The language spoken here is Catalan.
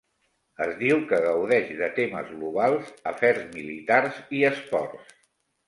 Es diu que gaudeix de temes globals, afers militars i esports.